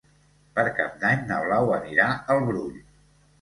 Per Cap d'Any na Blau anirà al Brull.